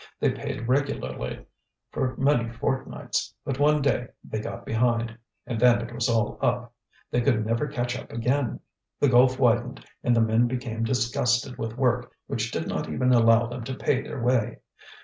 They paid regularly for many fortnights. But one day they got behind, and then it was all up. They could never catch up again. The gulf widened, and the men became disgusted with work which did not even allow them to pay their way.